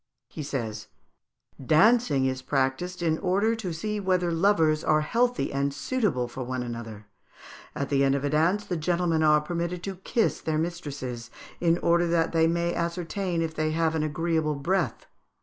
He says, "Dancing is practised in order to see whether lovers are healthy and suitable for one another: at the end of a dance the gentlemen are permitted to kiss their mistresses, in order that they may ascertain if they have an agreeable breath.